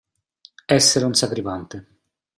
Essere un sacripante.